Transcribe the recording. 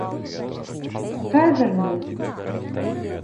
Хәҙер ни...